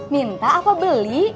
minta apa beli